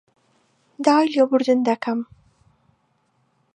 داوای لێبوردن دەکەم